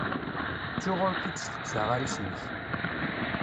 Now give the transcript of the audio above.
Ttuɣ ur k-id-steqsaɣ ara isem-ik.